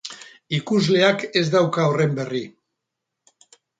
Ikusleak ez dauka horren berri.